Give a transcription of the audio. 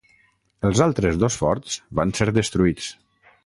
Els altres dos forts van ser destruïts.